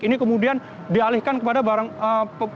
ini kemudian dialihkan kepada barang bukti